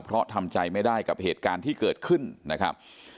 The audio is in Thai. เพราะทำใจไม่ได้กับเหตุการณ์ที่เกิดขึ้นนะครับ